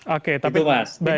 oke tapi baik